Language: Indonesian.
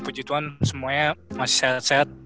puji tuhan semuanya masih selesai